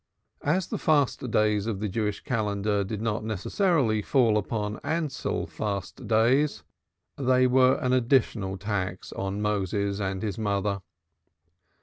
As the fast days of the Jewish calendar did not necessarily fall upon the Ansell fast days, they were an additional tax on Moses and his mother.